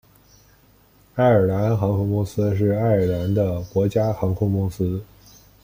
爱尔兰航空公司是爱尔兰的国家航空公司。